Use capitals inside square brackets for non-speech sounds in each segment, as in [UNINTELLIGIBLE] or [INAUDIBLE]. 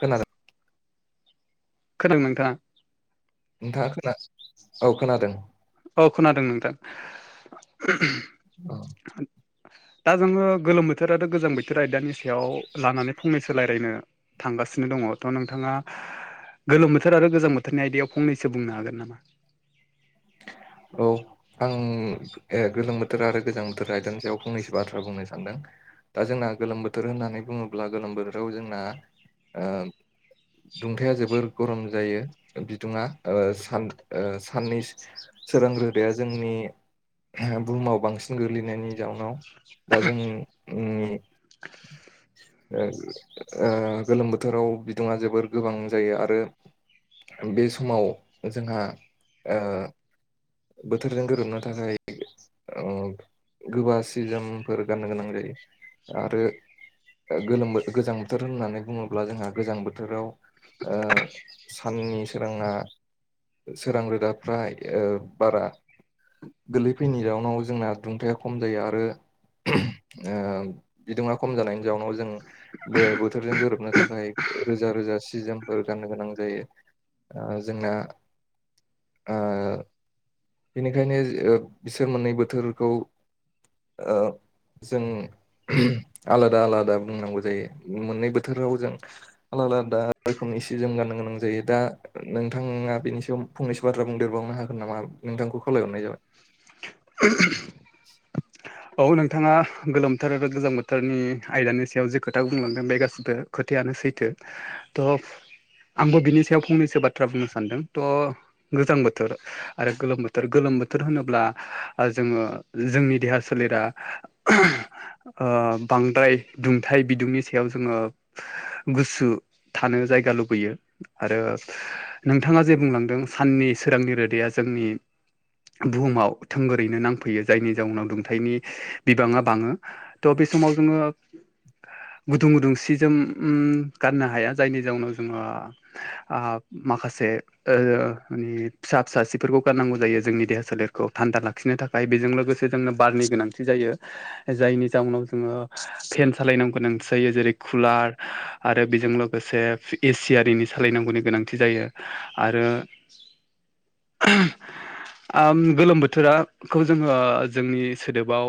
खोनादों खोनादों नोंथां नोंथाङा खोना औ खोनादों औ खोनादों नोंथां औ दा जोङो गोलोम बोथोर आरो गोजां बोथोर आयदानि सायाव लानानै फंनैसो रायलायनो थां गासिनो दङ थ' नोंथाङा गोलोम बोथोर आरो गोजां बोथोरनि आयदायाव फंनैसो बुंनो हागोन नामा औ आं गोलोम बोथोर आरो गोजां बोथोर आयजानि सायाव फंनैसो बाथ्रा बुंनो सानदों दा जोंना जोंहा गोलोम बोथोर होन्नानै बुङोब्ला गोलोम बोथोराव जोंना दुंथाया जोबोर गरम जायो बिदुङा सान साननै सोरां रोदाया जोंनि बुहुमाव बांसिन गोग्लैनायनि जाउनाव दा जोंनि गोलोम बोथोराव बिदुङा जोबोर गोबां जायो आरो बे समाव जोंहा ओ बोथोरजों गोरोबनो थाखाय गोबा सिजोमफोर गाननो गोनां जायो आरो गोलोम गोजां बोथोर होननानै बुङोब्ला जोंहा गोजां बोथोराव। साननि सोराङा सोरां रोदा फ्रा। बारा गोलैफैनि राउनाव जोंना दुंथाया खम जायो आरो बिदुङा खम जानायनि जाउनाव जों बोथोरजों गोरोबनो थाखाय रोजा रोजा सिजोमफोर गाननो गोनां जायो जोंना। बिनिखायनो बिसोर मोननै बोथोरखौ। ओ जों आलादा आलादा बुंनांगौ जायो मोननै बोथोराव जों आ लदाा रोखोमनि सि जोम गनो गोनां जायो दा नोंथाङा बेनि सायाव फंनैसो बाथ्रा बुंदेरबावनो हा गोन नामा नोंथांखौ खावलायहरनाय जाबाय [INAUDIBLE] औ नोंथाङा गोलोम बोथार आरो गोजां बोथोरनि आयदानि सायाव जि खोथाखौ बुंलांदों बे गासिबो खोथायानो। सैथो थ' आंबो बिनि सायाव फंनैसो बाथ्रा बुंनो सान्दों थ' गोजां बोथोर आरो गोलोम बोथोर गोलोम। बोथोर होनोब्ला जोङो जोंनि देहा सोलेरा बांद्राय दुंथाइ बिदुंनि सायाव जोङो गुसु। थानो जायगा लुबैयो आरो नोंथाङा जे बुंलांदों साननि सोरांनि रोदाया जों नि बुहुमाव थोंगोरैनो नांफैयो जायनि जाउनाव दुंथायाइनि बिबाङा बाङो थ' बे समाव जोङो। गुदुं गुदुं सि जोम गाननो हाया जायनि जाउनाव जोङो। माखासे मानि फिसा फिसा सिफोरखौ गारनांगौ जायो जोंनि देहा सोलेरखौ। थान्दा लाखिनो थाखाय बेजों लोगोसे जोंनो बारनि गोनांथि जायो जायनि जाउनाव जोङो। फेन सालायनांगौ नसायो जेरै कुलार आरो बेजों लोगोसे एसि आरिनि सालायनांगौ नि गोनांथि जायो आरो गोलोम बो बोथोराखौ जोङो जोंनि सोदोबाव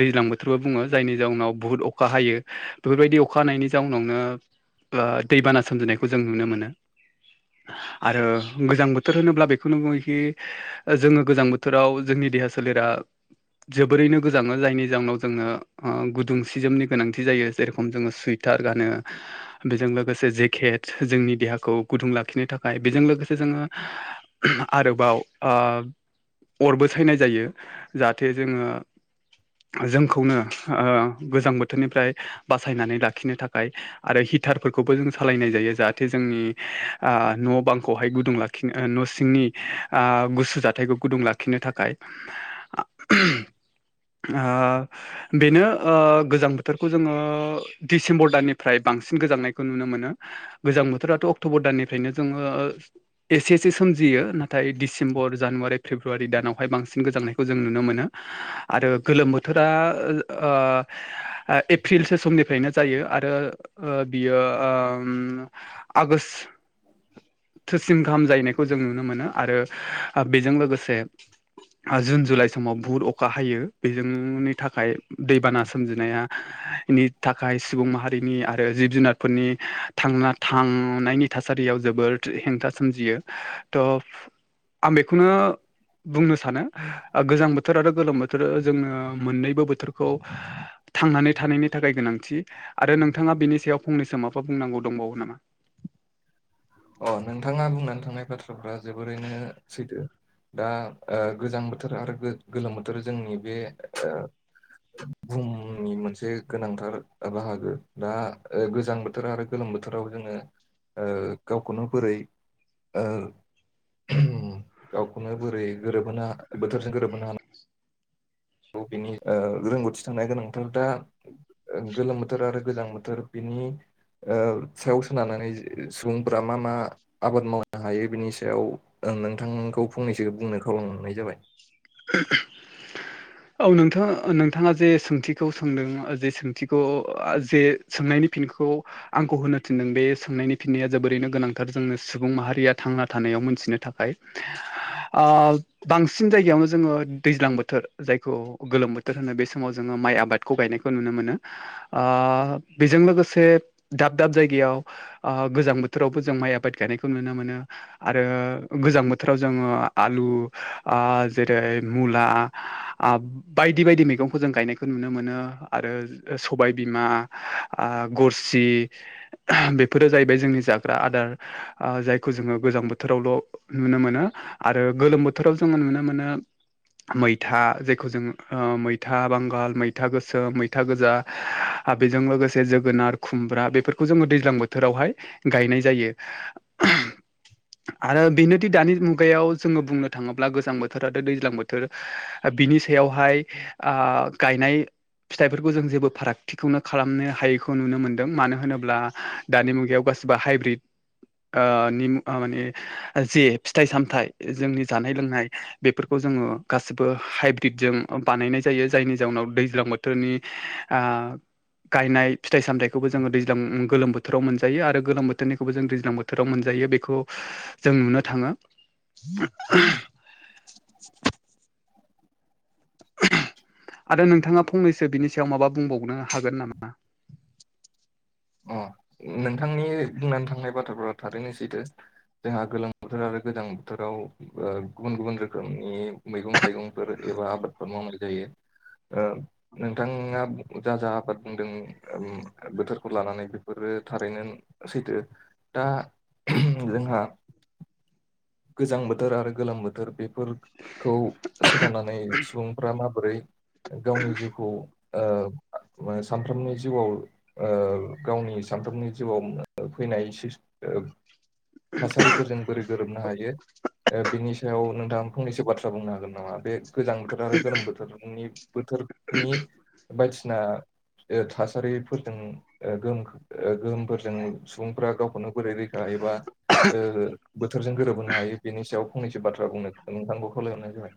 दैज्लां बोथोरबो बुङो जायनि जाउनाव बुहुदत अखा बाहायो बेफोरबायदि अखा हानायनि जाउनावनो दैबाना सोमजिनायखौ जों नुनो मोनो। आरो गोजां बोथोर होनोब्ला बेखौनो बुङोखि जोङो गोजां बोथोर। बसोराव जोंनि देहा सोलेरा जोबोरैनो गोजाङो जायनि जाउनाव जोंनो गुदुं सि जोमनि गोनांथि जायो जेरेखम जोङो सुइथ। थार गानो बेजों लोगोसे जेकेट जोंनि देहाखौ गुदुं लाखिनो थाखाय बेजों लोगोसे जों। जो आरोबाव अरबो सायनाय जायो जाहाथे जोङो जोंखौनो गोजां बोथोरनिफ्राय बासायनानै लाखिनो थाखाय आरो। हिटारफोरखौबो जों सालायनाय जायो जाहाथे जोंनि न' बांखौहाय गुदुं लाखिनो न' सिं गुसु जाथायखौ गुदुं लाखिनो थाखाय। बेनो गोजां बोथोरखौ जोङो डिसेम्बर दाननिफ्राय बां। सिन गोजांनायखौ नुनो मोनो गोजां बोथोराथ' अगटबर दाननिफ्रायनो एसे एसे। सोमजियो नाथाय डिसेम्बर जानुवारि फेब्रुवारि। फेब्रुवारि दानावहाय बांसिन गोजांनायखौ जों नुनो मोनो आरो गोलोम बोथोरा एप्रिलसो समनिफ्रायनो जायो आरो बियो आगषट थोसिम गाहाम जाहैनायखौ जों नुनो मोनो आरो बेजों लोगोसे। से जुन जुलाइ समाव बुहुद अखा हायो बेजोंनि थाखाय दैबाना सोमजिनाया। नि थाखाय सुबुं माहारिनि आरो जिब जुनारफोरनि थांना थांनायनि थासारि दैयाव जोबोद हेंथा सोमजियो थ आं बेखौनो। बुंनो सानो गोजां बोथोर आरो गोलोम बोथोर जोंङो मोननैबो बोथोरखौ। थांनानै थानायनि थाखाय गोनांथि आरो नोंथाङा बेनि सायाव फंनैसो माबा बुंनांगौ दंबावो नामा? अ नोंथाङा बुंनानै थांनाय बाथ्राफ्रा जोबोरैनो सैथो। दा गोजां बोथोर आरो गोलोम बोथोर जोंनि बे बुहुमनि मोनसे गोनांथार बाहागो दा गोजां बोथोर आरो गोलोम बोथोराव जोङो ओ गावखौनो बोरै ओ गावखौनो बोरै गोरोबहोनो बोथोरजों गोरोबहोनो हानाय बेनि रोंगौथि थानाया गोनांथार दा गोलोम बोथोर आरो गोजां बोथोर बिनि सायाव सोनारनानै सुबुंफोरा मा मा आबाद मावनो हायो बिनि सायाव नोंथां नोंखौ फंनैसो बुंनो खावलानाय जाबाय। [UNINTELLIGIBLE] औ नोंथां नोंथाङा जे सोंथिखौ सोंदों जे सोंथिखौ जे सोंनायनि फिनखौ खौ आंखौ होनो थिनदों बे सोंनायनि फिननाया जोबोरैनो गोनांथार जोंनि सुबुं माहारिया थांना थानायाव मोनसे मोन्थिनो थाखाय बांसिन जायगायावनो जोङो दैज्लां बोथोर जायखौ गोलोम बोथोर होनो बे समाव जोङो माइ आबादखौ गायनायखौ नुनो मोनो बेजों लोगोसे दाब दाब जायगायाव गोजां बोथोरावबो जों माइ आबाद गायनायखौ नुनो मोनो आरो गोजां बोथोराव जोङो आलु जेरै मुला बायदि बायदि मैगंखौ जों गायनायखौ नुनो मोनो आरो सबायबिमा गरसि बेफोरो जाहैबाय जोंनि जाग्रा आदार जायखौ जोङो गोजां बोथोरावल' नुनो मोनो आरो गोलोम बोथोराव जोङो नुनो मोनो। उम मैथा जायखौ जों मैथा बांगाल मैथा गोसोम मैथा गोजा बेजों लोगोसे जोगोनार खुमब्रा बेफोरखौ जोङो दैज्लां बोथोरावहाय गायनाय जायो। [INAUDIBLE] आरो बेनोदि दानि मुगायाव जोङो बुंनो थाङोब्ला गोजां बोथोर बोथोर आरो दैज्लां बोथोर बिनि सायावहाय गायनाय फिथाइफोरखौ जों जेबो फारागथिखौनो खालामनो हायैखौ नुनो मोन्दों मानो होनोब्ला दानि मुगायाव गाद। बा हाइब्रिद। ओ निम जे फिथाइ सामथाइ जोंनि जानाय लोंनाय। बेफोरखौ जोङो गासिबो हाइब्रिदजों बानायनाय जायो जायनि जाउनाव दैज्लां बोथोरनि। ओ गायनाय फिथाइ सामथायाइखौबो जोङो दैज्लां। गोलोम बोथोराव मोनजायो आरो गोलोम बोथोरनिखौबो जों दैज्लां बोथोराव मोनजायो बेखौ जों नुनो थाङो। [INAUDIBLE] [INAUDIBLE] आरो नोंथाङा फंनैसो बिनि सायाव माबा बुंबावनो हागोन नामा। अ। नोंथांनि बुंनानै थांनाय बाथ्राफोरा थारैनो सैथो जोंहा गोलोम बोथोर आरो गोजां बोथोराव। ओ गुबुन गुबुन रोखोमनि मैगं थाइगंफोर एबा आबादफोर मावनाय जायो। ओ नोंथाङा जा जा आबाद बुंदों ओम बोथोर। फोर लानानै बेफोरो थारैनो सैथो दा जोंहा। [INAUDIBLE] गोजां बोथोर आरो गोलोम बोथोर बेफोरखौ सोनारनानै सुबुंफ्रा मा। बोरै गावनि जिउखौ ओ। सानफ्रामनि जिउआव ओ गावनि सानफ्रोमनि जिउआव फैनाय। ओ थासारिफोरजों बोरै गोरोबनो हायो। ओ बिनि सायाव नोंथांङा फंनैसो बाथ्रा बुंनो हागोन नामा बे गोजां बोथोर आरो गोलोम बोथोरनि बोथोर। नि बायदिसिना। थासारिफोरजों ओ गोहोम गोहोमफोरजों सुबुंफ्रा गावखौनो बोरै रैखा। ऐसा ओ बोथोर गोरोबहोनानै। नो हायो बेनि सायाव फंनैसो बाथ्रा बुंनो नोंथांखौ खावलायहरनाय जाबाय।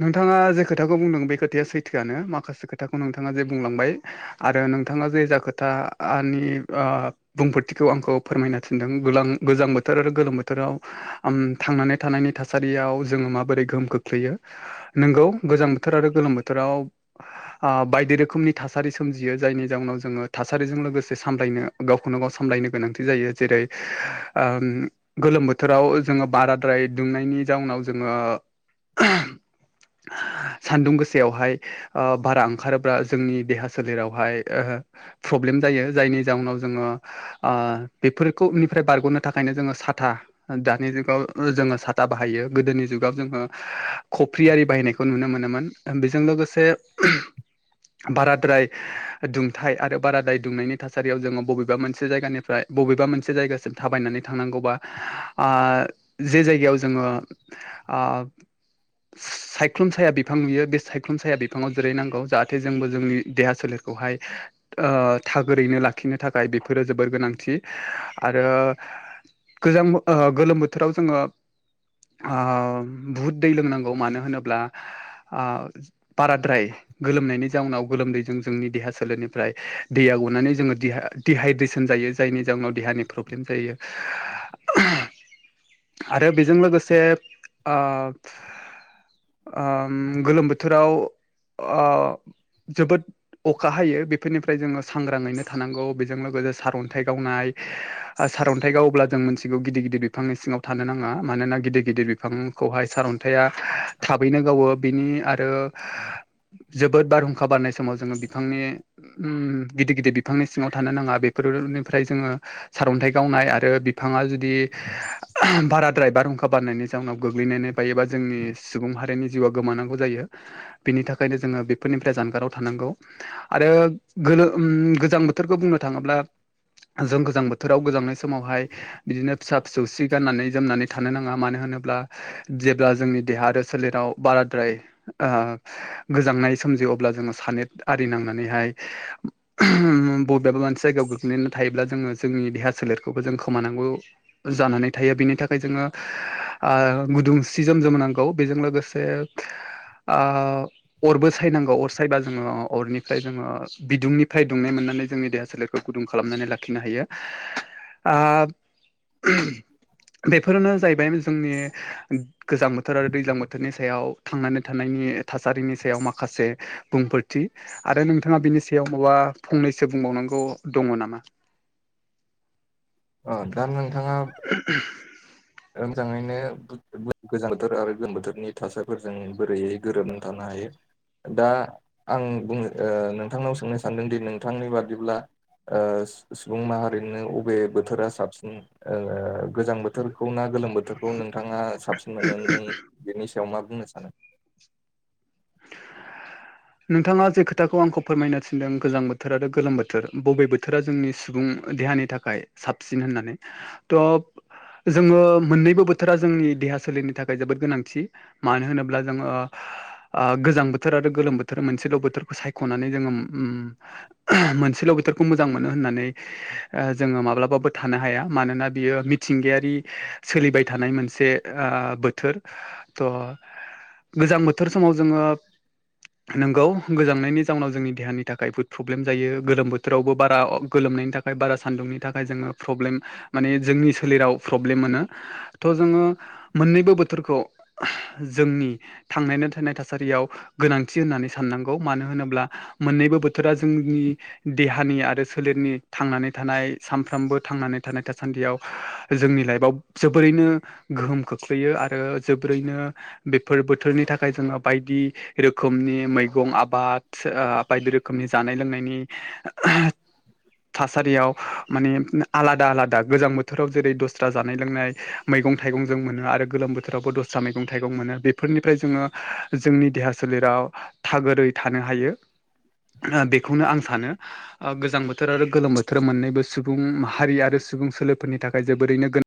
नोंथाङा जे खोथाखौ बुंदों बे खोथाया सैथोआनो माखासे खोथाखौ नोंथाङा जे बुंलांबाय आरो। नोंथाङा जे जा खोथा आनि ओ बुंफोरथिखौ आंखौ फोरमायनो थिनदों गुलाम गोजान। बोथोराव आरो गोलोम बोथोराव आम थांनानै थानायनि थासारियाव जोङो माबोरै गोहोम खोख्लैयो। नोंगौ गोजां बोथोर आरो गोलोम बोथोराव ओ बायदि रोखोमनि थासारि सोमजियो। जायनि जउनाव जोङो थासारिजों लोगो से सामलायनो गावखौनो गाव सामलायनो गोनांथि जायो जेरै ओं गोलोम बोथोराव जोङो बाराद्राय दुंनायनि जाउनाव जोङो। [INAUDIBLE] सान्दुं गोसायावहाय ओ बारा ओंखारोब्ला जोंनि देहा सोलेरावहाय। प्रब्लेम जायो जायनि जाउनाव जोङो ओ बेफोरखौनिफ्राय बारग'नो थाखायनो जोङो साथा दानि जुगाव जोङो साथा बाहायो गोदोनि जुगाव जोङो खफ्रि आरि बाहायनायखौ नुनो मोनोमोन बेजों लोगोसे बाराद्राय दुंथाय आरो बाराद्राय दुंनायनि थासारियाव जोङो बबेबा मोनसे जायगानिफ्राय। बबेबा मोनसे जायगासिम थाबायनानै थांनांगौबा ओ जे जायगायाव जोङो। आ। [INAUDIBLE] सायख्लुम साया बिफां नुयो बे सायख्लुम साया बिफाङाव जेरै नांगौ जाहाथे जोंबो जोंनि देहा सोलेरखौहाय। थागोरैनो लाखिनो थाखाय बेफोरो जोबोर गोनांथि आरो। गोजां ओ गोलोम बोथोराव जोङो बुहुद दै लोंनांगौ मानो होनोब्ला ओ बाराद्राय गोलोमनायनि। जाउनाव गोलोमदैजों जोंनि देहा सोलेरनिफ्राय। दैया गनानै जोङो दि दिडहाइद्रेसन जायो जायनि जाउनाव देहानि प्रब्लेम जायो। [INAUDIBLE] आरो बेजों लोगोसे ओ। ओम गोलोम बोथोराव ओ जोबोद अखा हायो बेफोरनिफ्राय जोङो सांग्राङैनो थानांगौ बेजों लोगोसे सारन्थाइ गावनाय ओ सारन्थाइ गावोब्ला जों मोनथिगौ गिदिर गिदिर बिफांनि सिङाव थानो नाङा मानोना गिदिर गिदिर बिफां। खौहाय सारन्थाइया थाबैनो गावो बिनि आरो जोबोद बारहुंखा बारनाय समाव जोङो बिफांनि गिदिर गिदिर बिफांनि सिङाव थानो नाङा बेफोर निफ्राय जोङो सारअन्थाइ गावनाय आरो बिफां जुदि बाराद्राय बारहुंखा बारनायनायनि जाउनाव गोग्लैनानै बायोबा जोंनि सुबुं मारिनि जिउआ गोमानांगौ जायो बिनि थाखायनो जोङो बेफोरनिफ्राय जानगाराव थानांगौ आरो गोलोम गोजां बोथोरखौ बुंनो थाङोब्ला जों गोजां बोथोराव गोजांनाय समावहाय बिदिनो फिसा फिसौस गाननानै जोमनानै थानो नाङा मानो होनोब्ला अब्ला जोंनि देहा आरो सोलेराव बाराद्राय गोजांनाय सोमजियो अब्ला जोङो सानै आरि नांनानैहाय बबेबा मोनसे जायगायाव गोग्लैनानै थायोब्ला जोङो जोंनि देहा सोलेरखौबो जों खोमानांगौ जानानै थायो बिनि थाखाय जोङो गुदुं सि जोम जोम नांगौ बेजों लोगोसे अरबो सायनांगौ अर सायबा जोङो अरनिफ्राय जोङो बिदुंनिफ्राय दुंनाय मोनो नानै जोंनि देहा सोलेरखौ गुदुं खालामनानै लाखिनो हायो बेफोरनो जाहैबाय जोंनि गोजां बोथोर आरो दैज्लां बोथोरनि सायाव थांनानै थानायनि थासारिनि सायाव माखासे बुंफोरथि आरो नोंथाङा बिनि सायाव माबा फंनैसो बुंबावनांगौ दङ नामा ओ दा नोंथां [INAUDIBLE] मोजाङैनो गोजां बोथोर आरो गोलोम बोथोरनि थासारिफोरजों बोरैयै गोरोबनानै थानो हायो हायो दा आं बुंनो ओ नोंथांनाव सोंनो सानदोंदि नोंथांनि बादिब्ला सुबुं माहारिनो बबे बोथोरा साबसिन गोजां बोथोर ना गोलोम बोथोरखौ नोंथाङा साबसिन मोनो बेयाव मा बुंनो सानो नोंथाङा जे खोथाखौ आंखौ फोरमायनो थिनदों गोजां बोथोर आरो गोलोम बोथोर बबे बोथोरा जोंनि सुबुं देहानि थाखाय साबसिन होननानै थ जोङो मोननैबो बोथोरा जोंनि देहा सोलेरनि थाखाय जोबोद गोनांथि मानो होनोब्ला जोङो गोजां बोथोर आरो गोलोम बोथोर थोर मोनसेल बोथोरखौ सायखनानै जोङो उ मोनसेल बोथोरखौ मोजां मोनो होननानै जोङो माब्लाबाबो थानो हाया। मानोना बियो मिथिंगायारि सोलिबाय थानाय मोनसे बोथोर थ गोजां बोथोर समाव जोङो नोंगौ गोजांनायनि जाउनाव जोंनि देहानि थाखाय बहुद प्रब्लेम जायो गोलोम बोथोरावबो बारा गोलोम नायनि थाखाय बारा सान्दुंनि थाखाय जोङो प्रब्लेम माने जोंनि सोलेराव प्रब्लेम मोनो थ' जोङो मोननैबो बोथोरखौ जोंनि थां न थानाय थासारियाव गोनांथि थि होननानै साननांगौ मानो होनोब्ला मोननैबो बोथोरा जोंनि देहानि आरो सोलेरनि थांनानै थानाय सानफ्रोमबो थांनानै थानाय थासान्दियाव जोंनि लाइफाव जोबोरैनो गोहोम खोख्लैयो आरो जोबोरैनो बेफोर बोथोरनि थाखाय जोङो बायदि रोखोम रोखोमनि मैगं आबाद बायदि रोखोमनि जानाय लोंनायनि थासारियाव माने आलादा आलादा गोजां बोथोराव जेरै दस्रा जानाय लोंनाय मैगं थाइगंजों मोनो आरो। आरो गोलोम बोथोरावबो दस्रा मैगं थाइगं मोनो बेफोरनि जोङो जों देहा सोलेराव थागोरै थानो हायो। बेखौनो आं सानो गोजां बोथोर आरो गोलोम बोथोर मोननैबो सुबुं माहारि आरो सुबुं सोलोफोरनि थाखाय जोबोरैनो गो